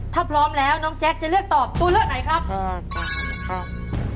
ถ้าพร้อมแล้วน้องแจ๊คจะเลือกตอบตัวเลือกไหนครับอ่าครับ